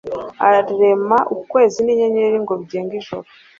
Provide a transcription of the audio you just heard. arema ukwezi n’inyenyeri ngo bigenge ijoro